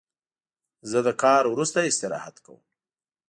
زه د کار وروسته استراحت کوم.